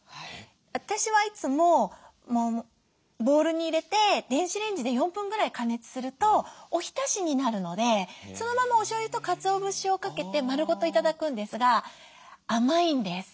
私はいつもボウルに入れて電子レンジで４分ぐらい加熱するとおひたしになるのでそのままおしょうゆとかつお節をかけて丸ごと頂くんですが甘いんです。